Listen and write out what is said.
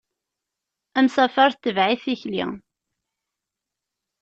Amsafer tetbeɛ-it tikli.